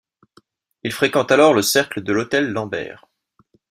Il fréquente alors le Cercle de l'Hôtel Lambert.